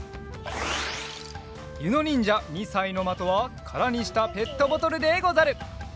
ゆのにんじゃ２さいのまとはからにしたペットボトルでござる。